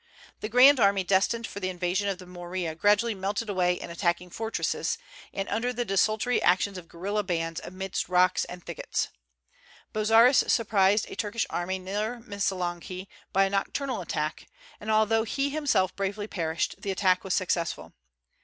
The grand army destined for the invasion of the Morea gradually melted away in attacking fortresses, and under the desultory actions of guerilla bands amidst rocks and thickets. Bozzaris surprised a Turkish army near Missolonghi by a nocturnal attack, and although he himself bravely perished, the attack was successful.